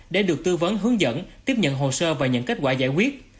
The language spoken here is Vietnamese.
để được tư vấn hướng dẫn tiếp nhận hồ sơ và nhận kết quả giải quyết